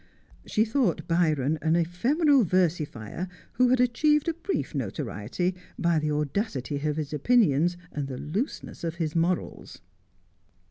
She thought Byron an ephemeral versifier who had achieved a brief notoriety by the audacity of his opinions and the looseness of his morals.